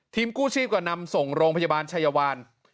กู้ชีพก็นำส่งโรงพยาบาลชัยวาน